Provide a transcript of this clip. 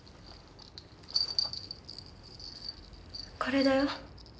これだよ。